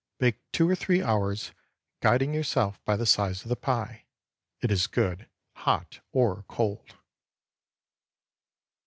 Bake two or three hours, guiding yourself by the size of the pie. It is good hot or cold.